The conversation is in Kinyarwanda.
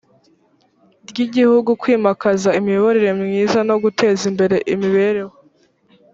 ry igihugu kwimakaza imiyoborere myiza no guteza imbere imibereho